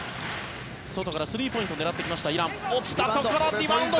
外からスリーポイントを狙ってきました、イラン。